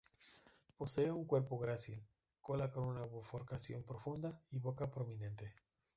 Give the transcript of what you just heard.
Posee un cuerpo grácil, cola con una bifurcación profunda y boca prominente.